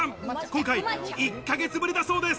今回、１ヶ月ぶりだそうです。